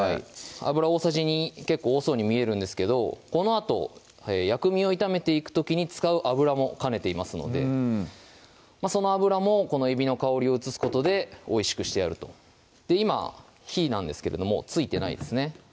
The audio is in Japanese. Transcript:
油大さじ２結構多そうに見えるんですけどこのあと薬味を炒めていく時に使う油も兼ねていますのでその油もこのえびの香りを移すことで美味しくしてやると今火なんですけれどもついてないですね